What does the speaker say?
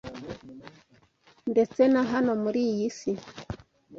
ndetse na hano muri iyi si